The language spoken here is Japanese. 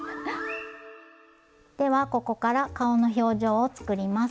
ではここから顔の表情を作ります。